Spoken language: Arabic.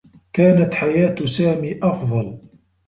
كانت حياة سامي أفضل.